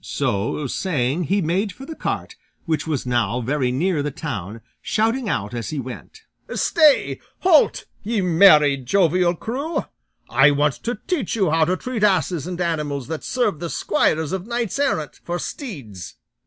So saying, he made for the cart, which was now very near the town, shouting out as he went, "Stay! halt! ye merry, jovial crew! I want to teach you how to treat asses and animals that serve the squires of knights errant for steeds."